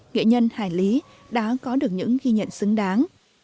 nghệ nhân hải lý đã có được những ghi nhận xứng đáng